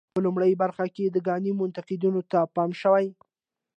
په لومړۍ برخه کې د ګاندي منتقدینو ته پام شوی.